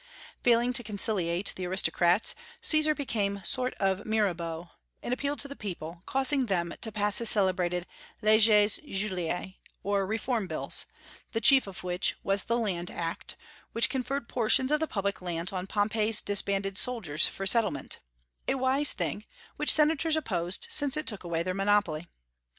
Failing to conciliate the aristocrats, Caesar became a sort of Mirabeau, and appealed to the people, causing them to pass his celebrated "Leges Juliae," or reform bills; the chief of which was the "land act," which conferred portions of the public lands on Pompey's disbanded soldiers for settlement, a wise thing, which senators opposed, since it took away their monopoly.